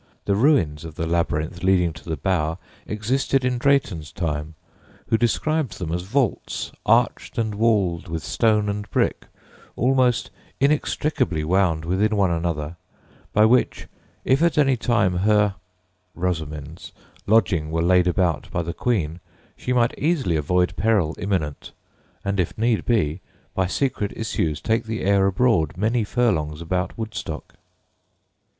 The ruins of the labyrinth leading to the "bower" existed in Drayton's time, who described them as "vaults, arched and walled with stone and brick, almost inextricably wound within one another, by which, if at any time her [Rosamond's] lodging were laid about by the Queen, she might easily avoid peril imminent, and, if need be, by secret issues take the air abroad many furlongs about Woodstock."